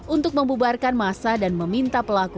untuk membubarkan masa dan meminta pelaku